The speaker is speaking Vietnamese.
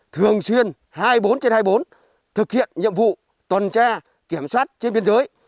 thường xuyên hai mươi bốn trên hai mươi bốn thực hiện nhiệm vụ tuần tra kiểm soát trên biên giới